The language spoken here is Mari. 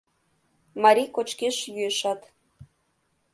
Мари кочкеш-йӱэшат